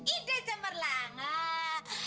ide cemerlang ah